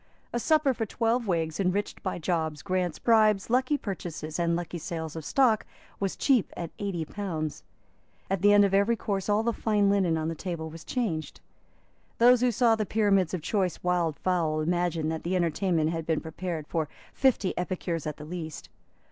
A supper for twelve Whigs, enriched by jobs, grants, bribes, lucky purchases and lucky sales of stock, was cheap at eighty pounds. At the end of every course all the fine linen on the table was changed. Those who saw the pyramids of choice wild fowl imagined that the entertainment had been prepared for fifty epicures at the least.